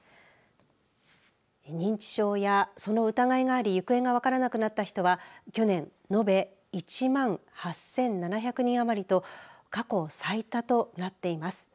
認知症やその疑いがあり行方が分からなくなった人は去年、延べ１万８７００人余りと過去最多となっています。